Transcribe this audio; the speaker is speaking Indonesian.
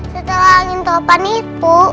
setelah angin topan itu